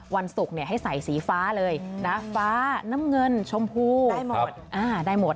วันศุกร์ให้ใส่สีฟ้าเลยนะฟ้าน้ำเงินชมพูได้หมดได้หมด